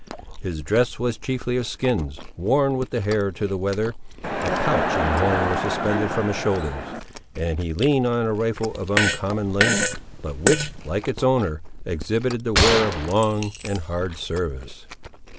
His dress was chiefly of skins, worn with the hair to the weather; a pouch and horn were suspended from his shoulders; and he leaned on a rifle of uncommon length, but which, like its owner, exhibited the wear of long and hard service.